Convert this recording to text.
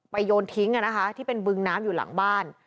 โยนทิ้งที่เป็นบึงน้ำอยู่หลังบ้าน